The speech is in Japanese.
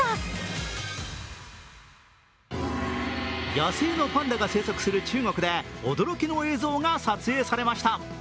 野生のパンダが生息する中国で驚きの映像が撮影されました。